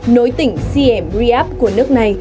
nối tỉnh siem reap của nước này